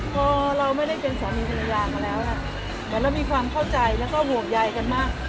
พอเราไม่ได้เป็นสามีภรรยามาแล้วเหมือนเรามีความเข้าใจแล้วก็ห่วงใยกันมาก